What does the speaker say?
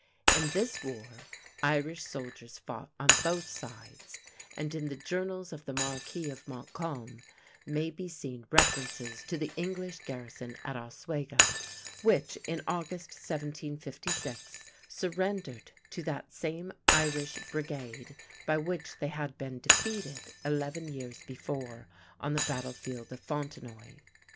In this war, Irish soldiers fought on both sides, and in the "Journals of the Marquis of Montcalm" may be seen references to the English garrison at Oswego, which, in August, 1756, surrendered to that same Irish Brigade by which they had been defeated eleven years before on the battlefield of Fontenoy.